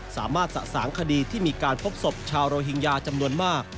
สะสางคดีที่มีการพบศพชาวโรฮิงญาจำนวนมาก